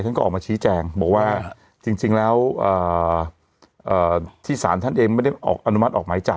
ท่านก็ออกมาชี้แจงบอกว่าจริงแล้วที่ศาลท่านเองไม่ได้ออกอนุมัติออกหมายจับ